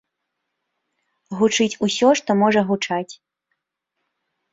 Гучыць усё, што можа гучаць.